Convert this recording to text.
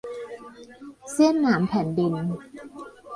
เสี้ยนหนามแผ่นดิน